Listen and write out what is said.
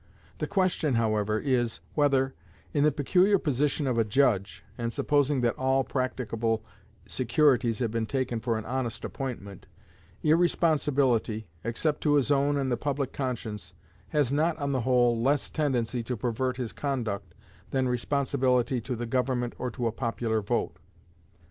The question however is, whether, in the peculiar position of a judge, and supposing that all practicable securities have been taken for an honest appointment, irresponsibility, except to his own and the public conscience, has not, on the whole, less tendency to pervert his conduct than responsibility to the government or to a popular vote.